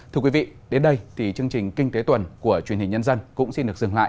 thưa quý vị đến đây thì chương trình kinh tế tuần của truyền hình nhân dân cũng xin được dừng lại